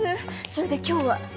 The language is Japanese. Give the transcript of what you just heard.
それで今日は？